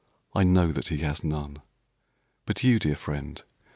I know that he has none. But you, Dear friend!